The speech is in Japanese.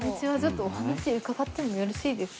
お話伺ってもよろしいですか？